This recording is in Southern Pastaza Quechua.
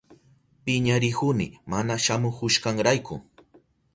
Piñarihuni mana shamuhushkanrayku.